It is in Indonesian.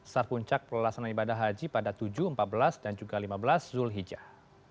sarpuncak pelaksanaan ibadah haji pada tujuh empat belas dan juga lima belas zul hijah